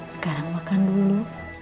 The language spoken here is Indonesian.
sekarang makan dulu